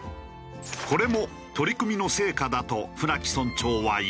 これも取り組みの成果だと舩木村長は言う。